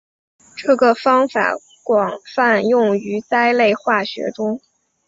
这个方法广泛用于甾类化学中。